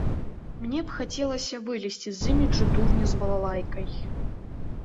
Мне б хацелася вылезці з іміджу дурня з балалайкай.